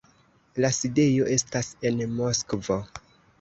La sidejo estas en Moskvo.